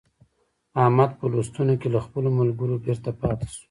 احمد په لوستونو کې له خپلو ملګرو بېرته پاته شو.